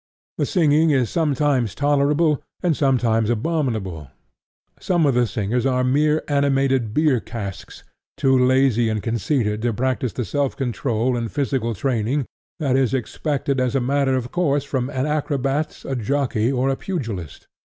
The singing is sometimes tolerable, and sometimes abominable. Some of the singers are mere animated beer casks, too lazy and conceited to practise the self control and physical training that is expected as a matter of course from an acrobat, a jockey or a pugilist.